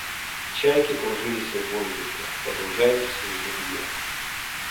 Чайки кружили в воздухе, погружаясь в синеву небес.